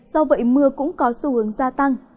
do vậy mưa cũng có xu hướng gia tăng